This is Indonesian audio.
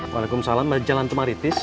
waalaikumsalam masih di jalan tumaritis